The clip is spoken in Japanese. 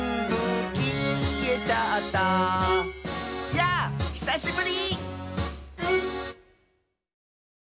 「やぁひさしぶり！」